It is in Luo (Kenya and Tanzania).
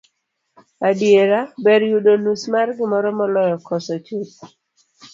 adiera, ber yudo nus mar gimoro moloyo koso chuth